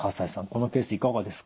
このケースいかがですか？